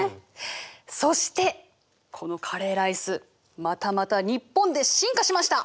そしてこのカレーライスまたまた日本で進化しました！